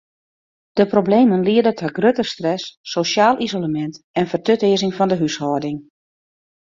De problemen liede ta grutte stress, sosjaal isolemint en fertutearzing fan de húshâlding.